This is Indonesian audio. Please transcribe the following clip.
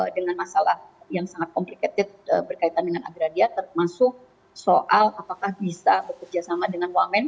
dengan masalah yang sangat komplikated berkaitan dengan agraria termasuk soal apakah bisa bekerja sama dengan wamen